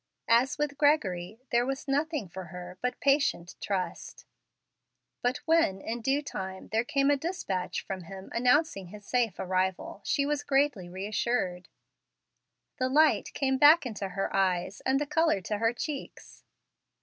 As with Gregory there was nothing for her but patient trust. But when, in due time, there came a despatch from him announcing his safe arrival, she was greatly reassured. The light came back into her eyes and the color to her cheeks.